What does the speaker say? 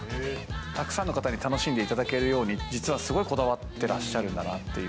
たくさんの方に楽しんでいただけるように、実はすごいこだわってらっしゃるんだなっていう。